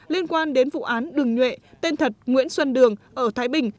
liên quan đến vụ án đừng nhuệ tên thật nguyễn xuân đường ở thái bình